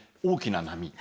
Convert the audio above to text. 大きな波。